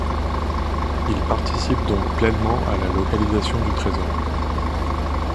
Ils participent donc pleinement à la localisation du trésor.